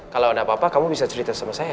kalau ada apa apa kamu bisa cerita sama saya